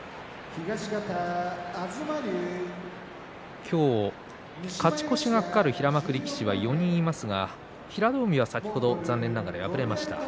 今日、勝ち越しが懸かる平幕力士は４人いますが平戸海は先ほど残念ながら敗れました。